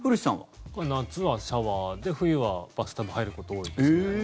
夏はシャワーで冬はバスタブ入ることが多いですね。